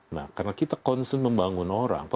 nah karena kita concern membangun orang